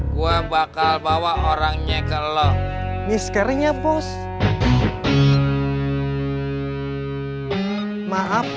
gue bakal bawa orangnya ke lo miskerinya bos maaf bos udah balik masih sama sama